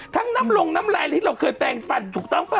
ทั้งน้ำลงน้ำลายที่เราเคยแต่งฟันถูกต้องป่ะ